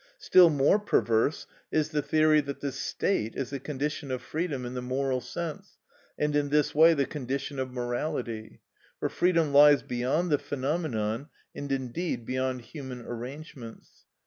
Still more perverse is the theory that the state is the condition of freedom in the moral sense, and in this way the condition of morality; for freedom lies beyond the phenomenon, and indeed beyond human arrangements.